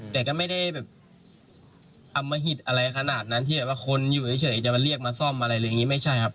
แต่ก็ไม่ได้แบบอมหิตอะไรขนาดนั้นที่แบบว่าคนอยู่เฉยจะมาเรียกมาซ่อมอะไรอย่างนี้ไม่ใช่ครับ